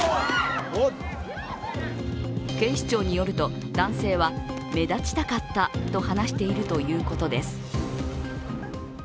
警視庁によると、男性は目立ちたかったと話しているということです。